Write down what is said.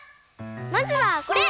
まずはこれ！